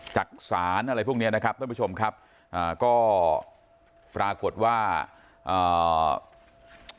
จักษานอะไรพวกเนี้ยนะครับท่านผู้ชมครับอ่าก็ปรากฏว่าอ่า